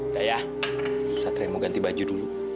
udah ya satria mau ganti baju dulu